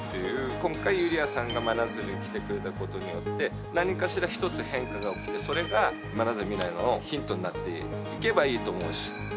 今回、ユリヤさんが真鶴に来てくれたことによって、何かしら一つ変化が起きて、それが真鶴の未来のヒントになっていけばいいと思うし。